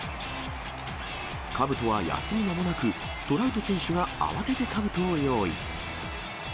かぶとは休む間もなく、トラウト選手が慌ててかぶとを用意。